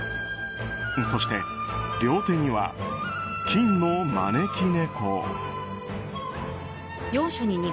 そして両手には金の招き猫。